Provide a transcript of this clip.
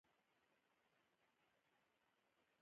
د نورستان د اړتیاوو پوره کولو لپاره اړین اقدامات ترسره کېږي.